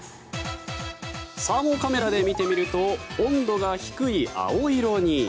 サーモカメラで見てみると温度が低い青色に。